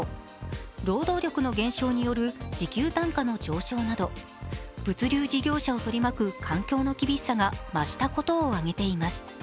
労働力の減少による時給単価の上昇など物流事業者を取り巻く環境の厳しさが増したことを挙げています。